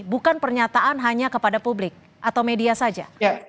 bukan pernyataan hanya kepada publik atau media saja